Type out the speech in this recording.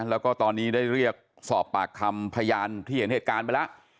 แล้วก็ตอนนี้ได้เรียกสอบปากคำพยานที่เห็นเหตุการณ์ไปแล้ว